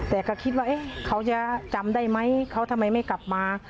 แต่ก็คิดว่าเขาจะจำได้ไหมเขาทำไมไม่กลับมา